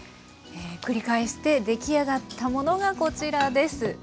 繰り返して出来上がったものがこちらです。